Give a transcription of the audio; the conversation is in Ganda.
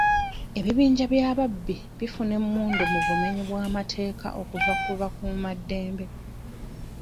Ebibinja by'ababbi bifuna emmundu mu bumenyi bw'amateeka okuva ku bakuumaddembe.